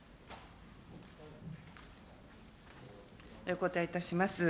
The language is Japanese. お答えいたします。